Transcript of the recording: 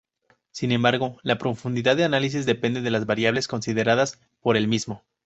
Sin embargo, la profundidad del análisis depende de las variables consideradas por el mismo.